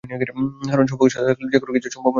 কারণ সৌভাগ্য সাথে থাকলে, যেকোনো কিছু সম্ভব মনে হয়।